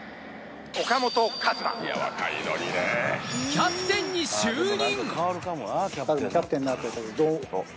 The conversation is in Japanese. キャプテンに就任！